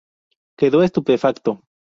Quedó estupefacto.